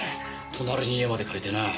隣に家まで借りてなあ。